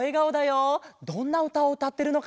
どんなうたをうたってるのかな？